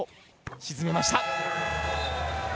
沈めました。